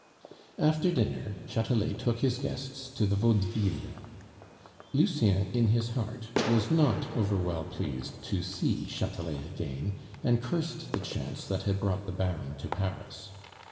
After dinner Chatelet took his guests to the Vaudeville. Lucien, in his heart, was not over well pleased to see Chatelet again, and cursed the chance that had brought the Baron to Paris.